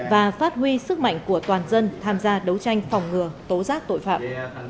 và phát huy sức mạnh của toàn dân tham gia đấu tranh phòng ngừa tố giác tội phạm